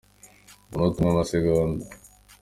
umunota umwe, amasegonda